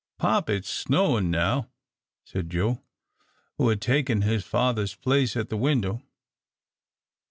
"Pop, it's snowin' now," said Joe, who had taken his father's place at the window.